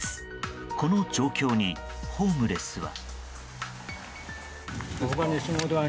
この状況にホームレスは。